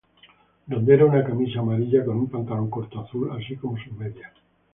Donde era una camisa amarilla, con un pantalón corto azul, así como sus medias.